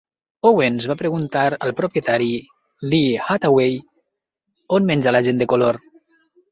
Owens va preguntar al propietari, Lee Hathaway, On menja la gent de color?